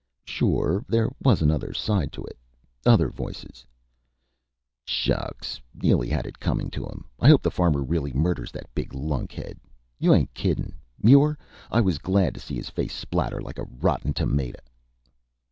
Sure there was another side to it other voices: "Shucks Neely had it coming to him. I hope the farmer really murders that big lunkhead.... You ain't kiddin', Muir. I was glad to see his face splatter like a rotten tamata...."